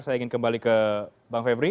saya ingin kembali ke bang febri